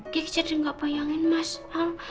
gigi jadi gak bayangin mas hal